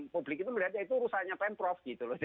publik itu melihatnya itu urusannya pemprov